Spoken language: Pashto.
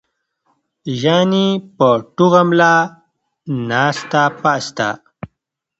يعني پۀ ټوغه ملا ناسته پاسته